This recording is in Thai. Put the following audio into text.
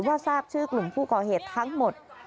ทราบชื่อกลุ่มผู้ก่อเหตุทั้งหมด